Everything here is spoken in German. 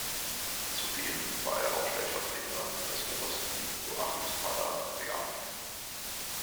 Zudem war er auch Stellvertreter des obersten Joachimsthaler Beamten.